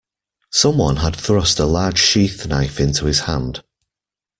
Some one had thrust a large sheath-knife into his hand.